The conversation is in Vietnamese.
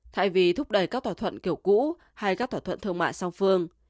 thay vì thúc đẩy các thỏa thuận kiểu cũ hay các thỏa thuận thương mại song phương